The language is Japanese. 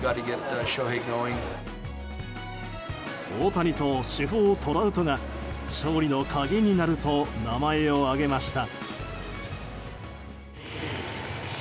大谷と主砲トラウトが勝利の鍵になると名前を挙げました。